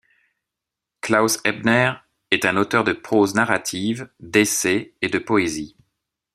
Klaus Ebner est un auteur de prose narrative, d'essais et de poésie.